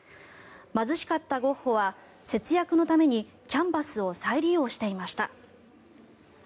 貧しかったゴッホは節約のためにキャンバスを再利用していました。